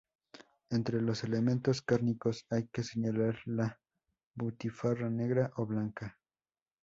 Entre los elementos cárnicos hay que señalar la butifarra, negra o blanca.